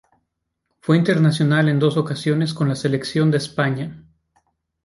Fue internacional en dos ocasiones con la selección de España.